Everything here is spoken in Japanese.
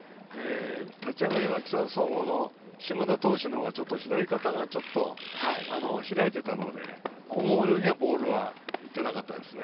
立ち上がりは木更津総合の島田投手のほうが、ちょっと左肩が開いてたので思うようにはボールはいってなかったですね。